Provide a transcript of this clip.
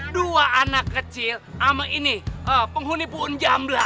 dua anak kecil sama ini penghuni pun jam lah